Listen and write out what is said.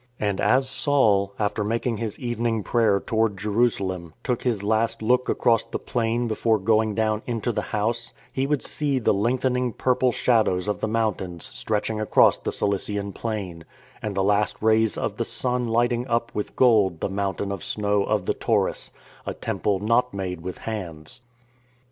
And as Saul, after making his evening prayer toward Jerusalem, took his last look across the plain before going down into the house, he would see the lengthening purple shadows of the mountains stretching across the Cilician plain, and the last rays of the sun lighting up with gold " the mountain of snow " of the Taurus — a Temple " not made with hands."